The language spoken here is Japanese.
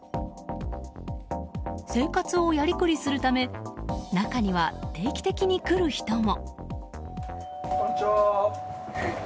生活をやりくりするため中には、定期的に来る人も。